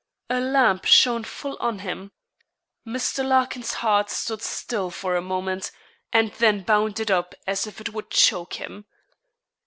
A lamp shone full on him. Mr. Larkin's heart stood still for a moment, and then bounded up as if it would choke him.